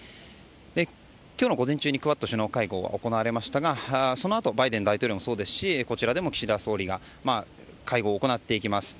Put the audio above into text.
今日の午前中にクアッド首脳会合が行われましたがそのあとバイデン大統領もそうですしこちらでも岸田総理が会合を行っていきます。